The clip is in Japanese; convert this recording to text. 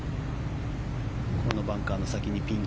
このバンカーの先にピン。